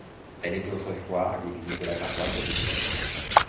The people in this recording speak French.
Elle était autrefois l'église de la paroisse de Voulpaix.